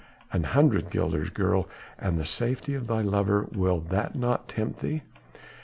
"An hundred guilders, girl, and the safety of thy lover. Will that not tempt thee?"